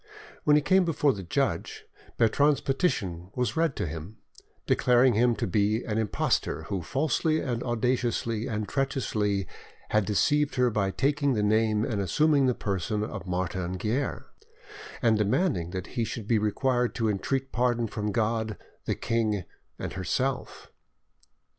When he came before the judge, Bertrande's petition was read to him, declaring him to be "an impostor, who falsely, audaciously, and treacherously had deceived her by taking the name and assuming the person of Martin Guerre," and demanding that he should be required to entreat pardon from God, the king, and herself.